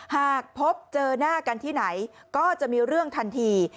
หากพบเจอหน้ากันที่ไหนก็จะมีเรื่องทันที